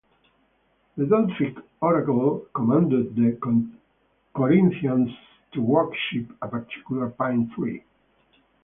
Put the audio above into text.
The Delphic oracle commanded the Corinthians to worship a particular pine tree.